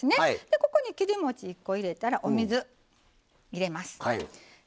ここに切りもちを１個入れたらお水入れます。